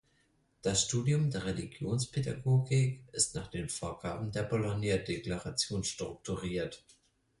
Das Studium der Religionspädagogik ist nach den Vorgaben der Bologna-Deklaration strukturiert.